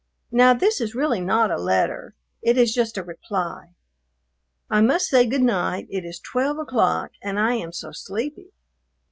Now this is really not a letter; it is just a reply. I must say good night; it is twelve o'clock, and I am so sleepy.